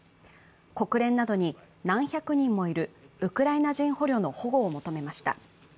国連などに何百人もいるウクライナ人保護の求めました。